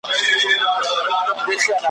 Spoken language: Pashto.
نه ونه پېژنم نه وني ته اشنا یمه نور `